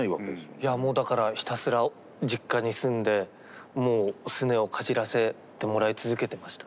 いやもうだからひたすら実家に住んでもうすねをかじらせてもらい続けてました。